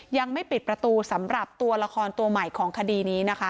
ยังไม่ปิดประตูสำหรับตัวละครตัวใหม่ของคดีนี้นะคะ